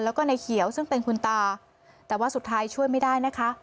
แล้วก็ในเขียวซึ่งเป็นคุณตาแต่ว่าสุดท้ายช่วยไม่ได้นะคะ